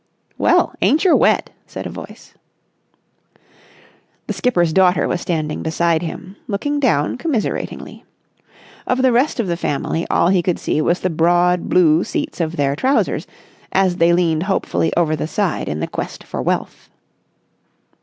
"Well, aincher wet?" said a voice. The skipper's daughter was standing beside him, looking down commiseratingly. Of the rest of the family all he could see was the broad blue seats of their trousers as they leaned hopefully over the side in the quest for wealth.